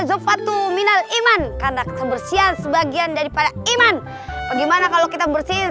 zopatuminal iman karena kebersihan sebagian daripada iman bagaimana kalau kita bersih